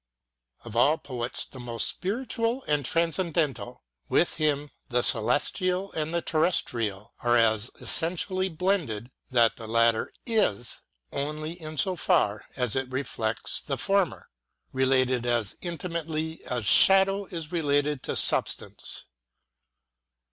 Of all poets the most spiritual and transcendental, with him the celestial and the terrestrial are so essen tially blended that the latter is, only in so far as it reflects the former, related as intimately as shadow is related to substance.